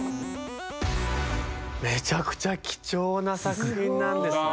めちゃくちゃ貴重な作品なんですね。